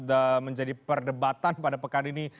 dan menjadi perdebatan pada pekan ini